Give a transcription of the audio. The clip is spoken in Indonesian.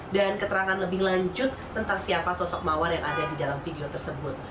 dan keterangan lebih lanjut tentang siapa sosok mawar yang ada di dalam video tersebut